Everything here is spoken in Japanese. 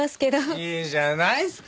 いいじゃないっすか。